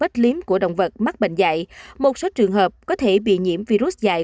trong những lý do lým của động vật mắc bệnh dạy một số trường hợp có thể bị nhiễm virus dạy